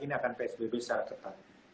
ini akan psbb saat tetap